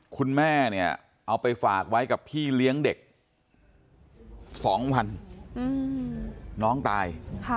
คุณแม่เนี่ยเอาไปฝากไว้กับพี่เลี้ยงเด็ก๒วันน้องตาย